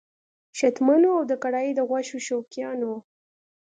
شتمنو او د کړایي د غوښو شوقیانو!